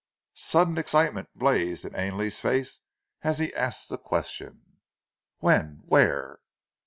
Sudden excitement blazed in Ainley's face as he asked the question. "When? Where?"